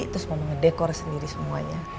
terus mama ngedekor sendiri semuanya